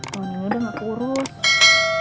bawangnya udah gak kurus